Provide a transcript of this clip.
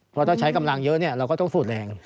เพราะถ้าใช้กำลังเยอะเราก็ต้องสูดแรง